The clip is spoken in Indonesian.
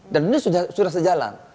dan ini sudah sejalan